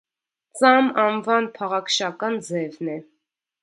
Ծամ անվան փաղաքշական ձևն է։